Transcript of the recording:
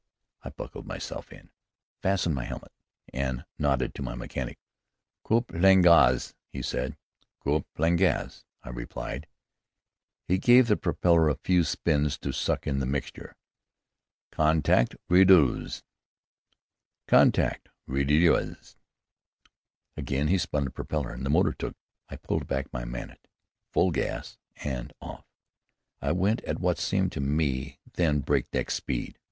I buckled myself in, fastened my helmet, and nodded to my mechanic. "Coupe, plein gaz," he said. "Coupe, plein gaz," I repeated. He gave the propeller a few spins to suck in the mixture. "Contact, reduisez." "Contact, reduisez." Again he spun the propeller, and the motor took. I pulled back my manet, full gas, and off I went at what seemed to me then breakneck speed.